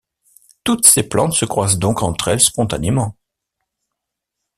Toutes ces plantes se croisent donc entre elles spontanément.